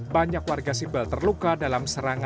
banyak warga sibel terluka dalam serangan